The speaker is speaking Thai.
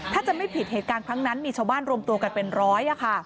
ถ้าจะไม่ผิดเหตุการณ์ครั้งนั้นมีชาวบ้านรวมตัวกันเป็นร้อย